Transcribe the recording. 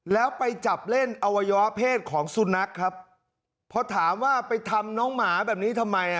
แล้วไปจับเล่นอวัยวะเพศของสุนัขครับพอถามว่าไปทำน้องหมาแบบนี้ทำไมอ่ะ